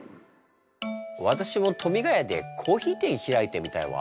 私も富ヶ谷でコーヒー店開いてみたいわ。